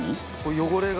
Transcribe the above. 汚れが。